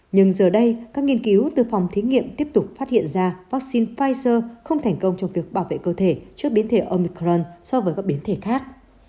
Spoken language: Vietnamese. nhưng giờ đây các nghiên cứu từ phòng thí nghiệm tiếp tục phát hiện ra vaccine pfizer không thành công trong việc bảo vệ cơ thể trước biến thể omicron so với các biến thể khác